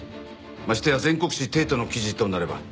ましてや全国紙『帝都』の記事となれば。